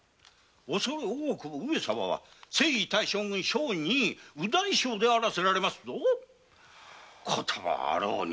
おそれ多くも上様は征夷大将軍正二位右大将であらせられますぞ事もあろうに